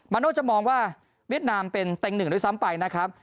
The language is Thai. โน่จะมองว่าเวียดนามเป็นเต็งหนึ่งด้วยซ้ำไปนะครับ